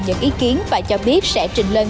những ý kiến và cho biết sẽ trình lên